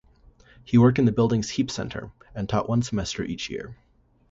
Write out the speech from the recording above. He worked in the building's Heep Center, and taught one semester each year.